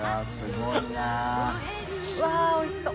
わぁおいしそう。